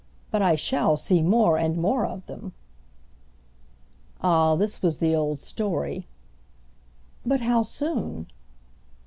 "But I shall see more and more of them." Ah this was the old story. "But how soon?"